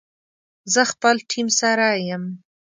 زه خپل ټیم سره یم